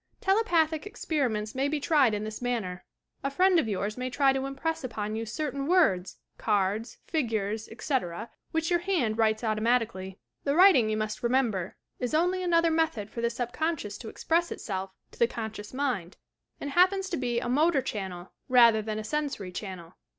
Telepathic experiments may be tried in this manner: A friend of yours may try to impress upon you certain words, cards, figures, etc., which your hand writes auto matieatly. The writing, you must remember, is only another method for the subconscious to express itself to the con scious mind, and happens to be a motor channel rather than a sensory channel.